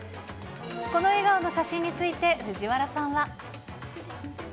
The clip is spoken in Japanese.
この笑顔の写真について、藤原さんは。